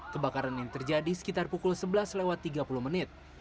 kebakaran ini terjadi sekitar pukul sebelas lewat tiga puluh menit